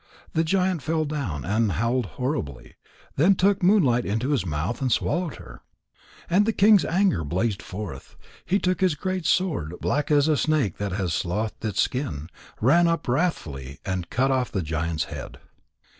The giant fell down and howled horribly, then took Moonlight into his mouth and swallowed her. And the king's anger blazed forth. He took his great sword, black as a snake that has sloughed its skin, ran up wrathfully, and cut off the giant's head.